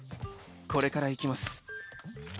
これから行きます。